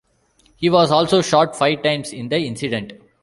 He was also shot five times in the incident.